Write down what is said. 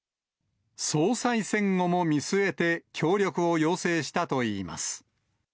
総裁選後も見据えて協力を要請したといいます。